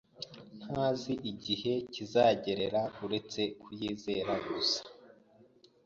ntazi igihe kizagerera uretse kuyizera gusa.